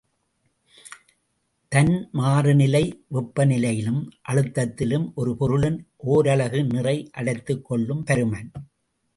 தன் மாறுநிலை வெப்பநிலையிலும் அழுத்தத்திலும் ஒரு பொருளின் ஓரலகு நிறை அடைத்துக் கொள்ளும் பருமன்.